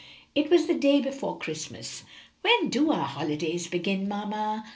It was the day before Christmas. "When do our holidays begin, mamma?"